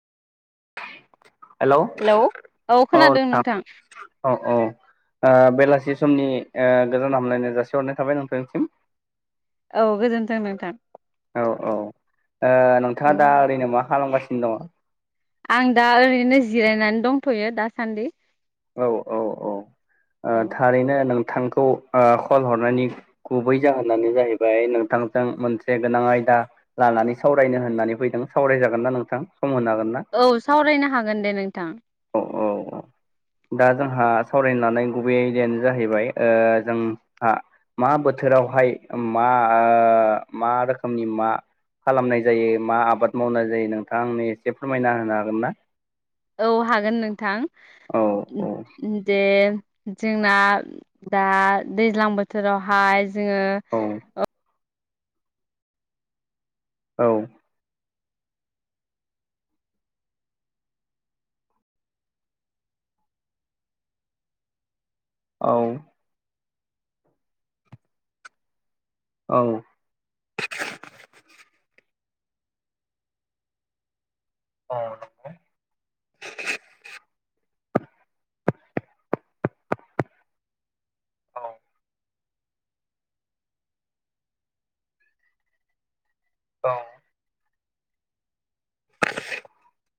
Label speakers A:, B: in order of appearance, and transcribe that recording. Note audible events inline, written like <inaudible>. A: Hello औ नोंथां औ औ ओ बेलासि समनि ओ गोजोन हामलायनाय जासिहरनाय थाबाय नोंथांनिसिम
B: औ गोजोनथों नोंथां
A: औ औ ओ नोंथाङा
B: औ
A: दा ओरैनो मा खालामगासिनो दङ
B: आं दा ओरैनो जिरायनानै दंथ'यो दासान्दि
A: औ औ औ ओ
B: औ
A: थारैनो नों नोंथांखौ ओ कल हरनायनि गुबै जाहोनानो जाहैबाय नोंथांजों मोनसे गोनां आय दा लानानै सावरायनो होननानै फैदों सावरायजागोन ना नोंथां सम होनो हागोन ना
B: औ सावरायनो हागोन दे नोंथां
A: औ औ औ दा जोंहा सावरायनो लानाय गुबै आयदायानो जाहैबाय ओ जों हा मा बोथोरावहाय मा ओ मा रोखोमनि मा खालामनाय जायो मा आबाद मावनाय जायो नोंथाङा आंनो एसे फोरमायना होनो हागोन ना?
B: औ हागोन <unintelligible>
A: औ
B: नोंथां दे जोंना दा दैज्लां बोथोरावहाय जोङो
A: औ
B: ओ
A: औ औ औ औ <unintelligible> औ औ